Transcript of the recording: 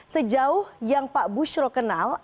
sejauh yang pak bushro kenal apa yang terjadi